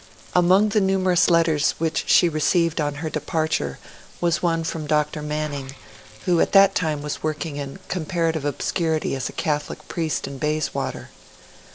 Among the numerous letters which she received on her departure was one from Dr. Manning, who at that time was working in comparative obscurity as a Catholic priest in Bayswater.